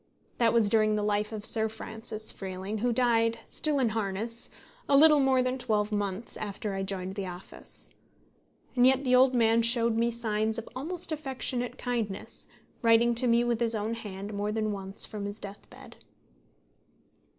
That was during the life of Sir Francis Freeling, who died, still in harness, a little more than twelve months after I joined the office. And yet the old man showed me signs of almost affectionate kindness, writing to me with his own hand more than once from his death bed.